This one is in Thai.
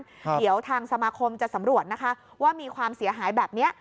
เดี๋ยวทางสมาคมจะสำรวจนะคะว่ามีความเสียหายแบบนี้